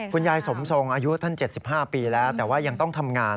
คุณยายสมทรงอายุท่าน๗๕ปีแล้วแต่ว่ายังต้องทำงาน